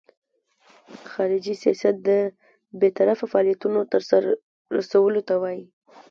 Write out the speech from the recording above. خارجي سیاست د بیطرفه فعالیتونو سرته رسولو ته وایي.